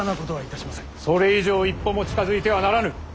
それ以上一歩も近づいてはならぬ。